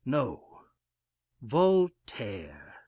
No Voltaire."